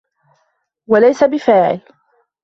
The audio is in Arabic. وَلَيْسَ بِفَاعِلٍ